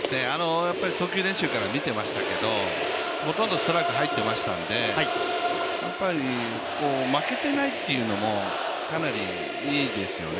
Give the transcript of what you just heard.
投球練習から見ていましたけどほとんどストライク入っていましたので負けてないっていうのもかなりいいですよね。